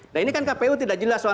nah ini kan kpu tidak jelas soal